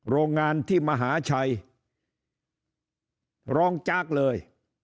โรงงานที่มหาชัยร้องจากเลย